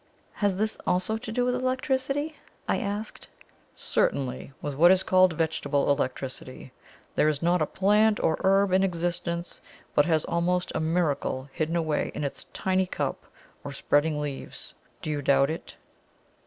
"Has this also to do with electricity?" I asked. "Certainly with what is called vegetable electricity. There is not a plant or herb in existence, but has almost a miracle hidden away in its tiny cup or spreading leaves do you doubt it?"